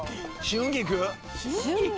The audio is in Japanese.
春菊？